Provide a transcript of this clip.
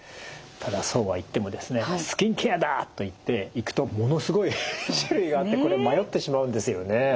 ただそうは言ってもですねスキンケアだといって行くとものすごい種類があってこれ迷ってしまうんですよね。